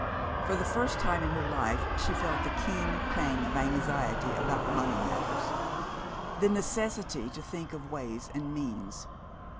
For the first time in her life she felt the keen pang of anxiety about money matters the necessity to think of ways and means.